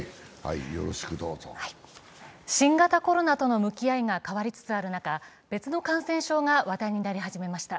新型コロナとの向き合いが変わりつつある中、別の感染症が話題になり始めました。